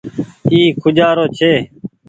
اي کوجآرو ڇي۔